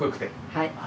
はい。